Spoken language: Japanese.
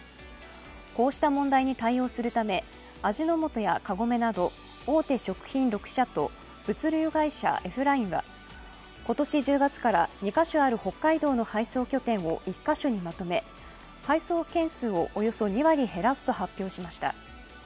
こうした問題に対応するため味の素やカゴメなど大手食品６社と物流会社Ｆ−ＬＩＮＥは今年１０月から２か所ある北海道の配送拠点を１か所にまとめ、配送件数をおよそ２割減らすと発表しまひた。